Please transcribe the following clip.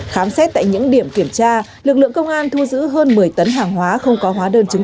khám xét tại những điểm kiểm tra lực lượng công an thu giữ hơn một mươi tấn hàng hóa không có hóa đơn chứng